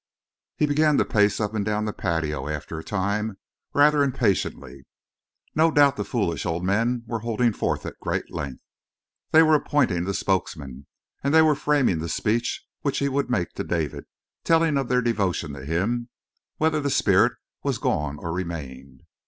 He began to pace up and down the patio, after a time, rather impatiently. No doubt the foolish old men were holding forth at great length. They were appointing the spokesman, and they were framing the speech which he would make to David telling of their devotion to him, whether the spirit was gone or remained.